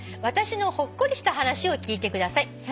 「私のほっこりした話を聞いてください」